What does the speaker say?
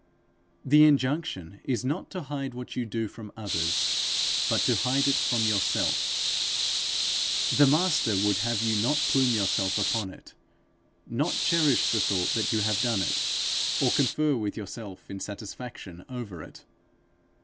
The injunction is not to hide what you do from others, but to hide it from yourself. The Master would have you not plume yourself upon it, not cherish the thought that you have done it, or confer with yourself in satisfaction over it.